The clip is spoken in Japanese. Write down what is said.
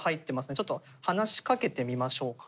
ちょっと話しかけてみましょうか。